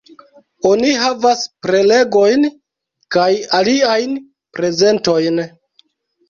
Oni havas prelegojn kaj aliajn prezentojn.